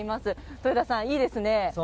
豊田さん、いいですね。